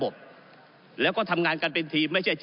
ก็ได้มีการอภิปรายในภาคของท่านประธานที่กรกครับ